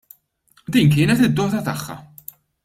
Din kienet id-dota tagħha.